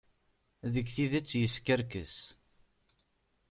Deg tidet, yeskerkes.